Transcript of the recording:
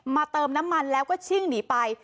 เติมน้ำมันแล้วก็ชิ่งหนีไป